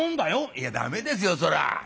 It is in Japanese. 「いや駄目ですよそれは」。